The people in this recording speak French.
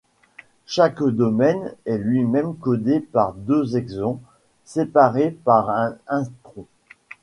Chaque domaine est lui-même codé par deux exons séparés par un intron.